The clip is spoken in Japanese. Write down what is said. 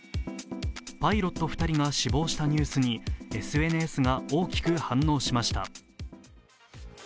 パイロット２人が死亡したニュースにＳＮＳが大きく反応しました。